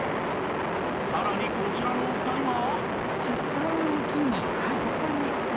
さらにこちらのお二人は